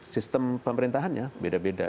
sistem pemerintahannya beda beda